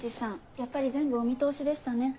やっぱり全部お見通しでしたね。